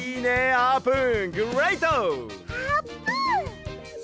あーぷん！